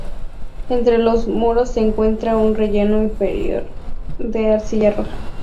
Entre los muros se encuentra un relleno interior de arcilla roja.